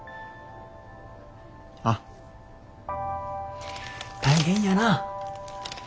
ああ大変やな。